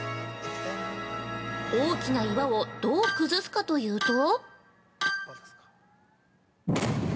大きな岩をどう崩すかというと◆